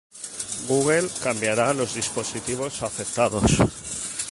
Google cambiará los dispositivos afectados.